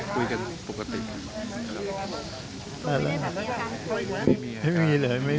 ก็คุณอ๋อยเพิ่งไปได้๘ปี